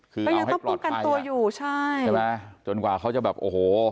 คือเอาให้ปลอดภัยยังต้องคุ้มกันตัวอยู่ใช่ใช่ไหมจนกว่าเขาจะแบบโอ้โห